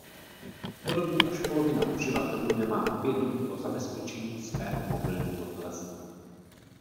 Podobně až polovina uživatelů nemá povědomí o zabezpečení svého mobilního telefonu.